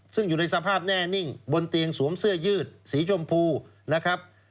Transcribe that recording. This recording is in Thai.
ซึ่งอยู่ในสภาพแน่นิ่งบนเตียงสวมเสื้อยืดสีชมพูนะครับ